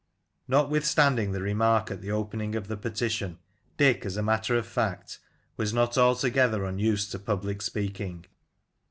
Notwithstanding the remark at the opening of the peti tion, Dick, as a matter of fact, was not altogether unused to public speaking.